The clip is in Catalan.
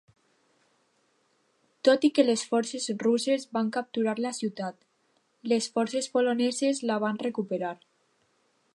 Tot i que les forces russes van capturar la ciutat, les forces poloneses la van recuperar.